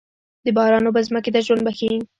د باران اوبه ځمکې ته ژوند بښي.